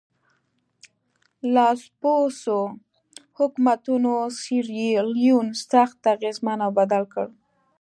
لاسپوڅو حکومتونو سیریلیون سخت اغېزمن او بدل کړ.